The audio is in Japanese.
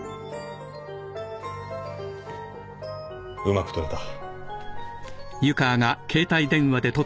うまく撮れた。